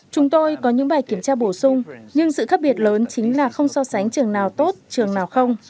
chúng tôi có những bài kiểm tra bổ sung nhưng sự khác biệt lớn chính là không so sánh trường nào tốt trường nào không